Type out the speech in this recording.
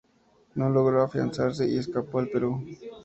No logró afianzarse y escapó al Perú.